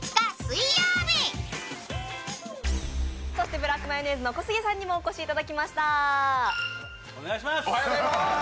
ブラックマヨネーズ・小杉さんにもお越しいただきました。